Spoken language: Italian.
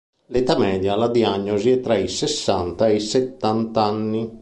L'età media alla diagnosi è tra i sessanta e i settanta anni.